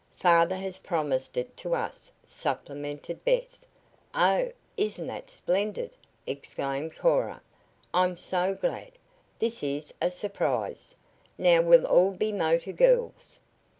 "Father has promised it to us;" supplemented Bess. "Oh, isn't that splendid!" exclaimed Cora. "I'm so glad! This is a surprise. Now we'll all be motor girls."